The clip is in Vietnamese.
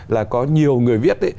là có nhiều người viết